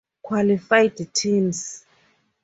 Qualified teams